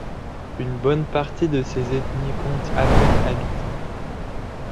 Une bonne partie de ces ethnies compte à peine habitants.